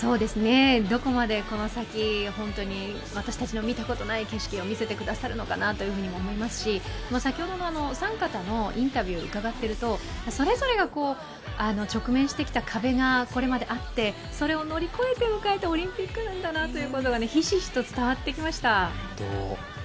どこまで、この先本当に私たちの見たことない景色を見せてくださるのかなとも思いますし、先ほどのお三方のインタビューを伺っているとそれぞれが直面してきた壁があって、それを乗り越えて迎えたオリンピックなんだなということがひしひしと伝わってきました。